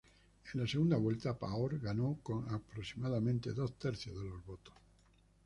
En la segunda vuelta, Pahor ganó con aproximadamente dos tercios de los votos.